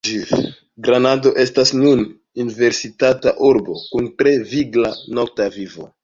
Granado estas nun universitata urbo, kun tre vigla nokta vivo.